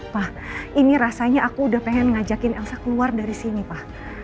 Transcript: pak ini rasanya aku udah pengen ngajakin elsa keluar dari sini pak